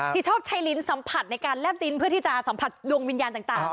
ที่ชอบใช้ลิ้นสัมผัสในการแลบลิ้นเพื่อที่จะสัมผัสดวงวิญญาณต่าง